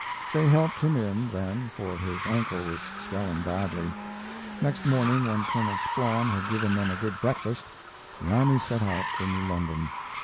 They helped him in, then, for his ankle was swelling badly. Next morning, when Colonel Splawn had given them a good breakfast, the army set out for New London.